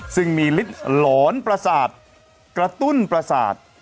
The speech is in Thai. ซึ่งมีฤทธิ์หลอนประสาทกระตุ้นประสาท